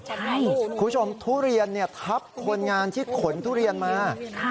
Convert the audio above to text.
คุณผู้ชมทุเรียนทับคนงานที่ขนทุเรียนมา